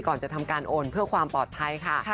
ก่อนจะทำการโอนเพื่อความปลอดภัยค่ะ